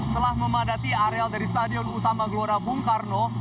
telah memadati areal dari stadion utama gelora bung karno